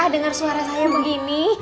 dengar suara saya begini